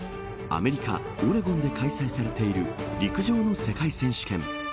アメリカオレゴンで開催されている陸上の世界選手権。